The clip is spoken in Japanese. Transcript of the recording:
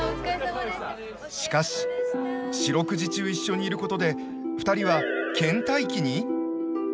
しかし四六時中一緒にいることで２人はけん怠期に？